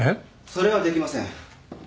・それはできません。